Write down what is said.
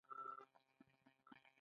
سختې چارې راته پېښې شوې راز په راز.